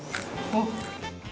あっ！